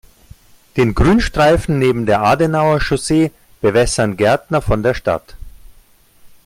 Den Grünstreifen neben der Adenauer-Chaussee bewässern Gärtner von der Stadt.